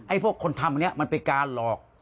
ไอ้พวกคนทำเนี่ยมันเป็นการหลอก